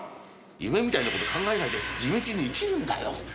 夢みたいなこと考えないで地道に生きるんだよ。